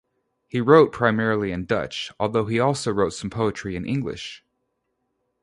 He wrote primarily in Dutch, although he also wrote some poetry in English.